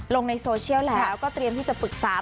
ลงในโซเชียลแล้วก็เตรียมที่จะปรึกษา